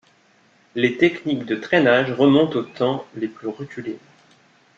Les techniques de traînage remontent aux temps les plus reculés.